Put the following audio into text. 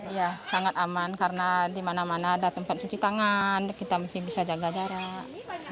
iya sangat aman karena di mana mana ada tempat cuci tangan kita masih bisa jaga jarak